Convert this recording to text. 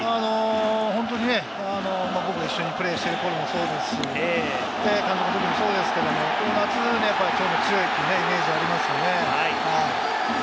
本当にね、僕、一緒にプレーしてる頃もそうですし、監督のときもそうですけれども、夏、長野強いというイメージがありますね。